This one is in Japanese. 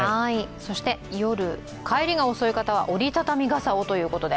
そして夜、帰りが遅い方は折り畳み傘をということで。